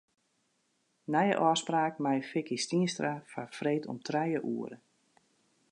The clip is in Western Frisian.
Nije ôfspraak mei Vicky Stienstra foar freed om trije oere.